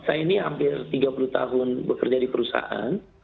saya ini hampir tiga puluh tahun bekerja di perusahaan